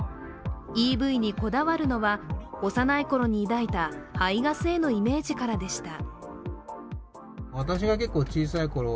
ＥＶにこだわるのは幼いころに抱いた排ガスへのイメージからでした。